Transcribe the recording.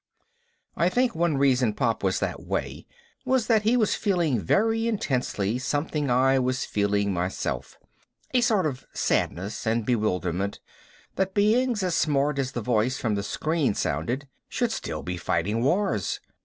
I think one reason Pop was that way was that he was feeling very intensely something I was feeling myself: a sort of sadness and bewilderment that beings as smart as the voice from the screen sounded should still be fighting wars.